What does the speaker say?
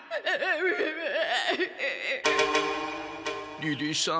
リリーさん